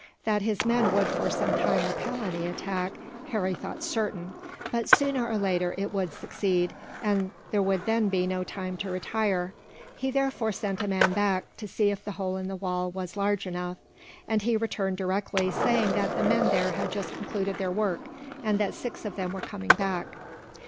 That his men would for some time repel any attack, Harry thought certain; but sooner or later it would succeed, and there would then be no time to retire. He therefore sent a man back, to see if the hole in the wall was large enough; and he returned directly, saying that the men there had just concluded their work, and that six of them were coming back.